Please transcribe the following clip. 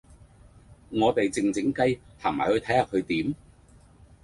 我地靜靜雞行埋去睇下佢點